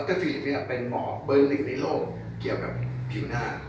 ดรฟิลิตเป็นหมอเบอร์๑ในโลกเกี่ยวกับผิวหน้า